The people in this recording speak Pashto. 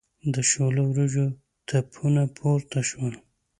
د شوله وریجو تپونه پورته شول.